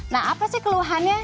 nah apa sih keluhannya